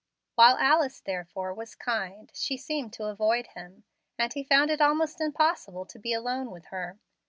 While Alice therefore was kind, she seemed to avoid him; and he found it almost impossible to be alone with her.